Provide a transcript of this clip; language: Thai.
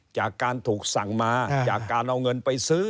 จากการถูกสั่งมาจากการเอาเงินไปซื้อ